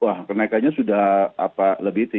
wah kenaikannya sudah lebih itu